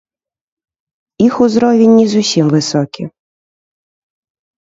Іх узровень не зусім высокі.